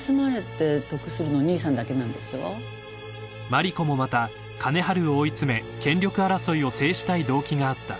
［真梨子もまた金治を追い詰め権力争いを制したい動機があった］